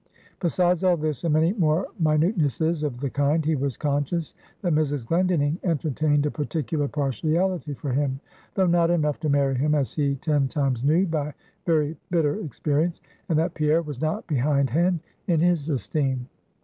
Besides all this, and many more minutenesses of the kind, he was conscious that Mrs. Glendinning entertained a particular partiality for him (though not enough to marry him, as he ten times knew by very bitter experience), and that Pierre was not behindhand in his esteem.